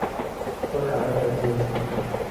په خپل حالت راضي اوسئ.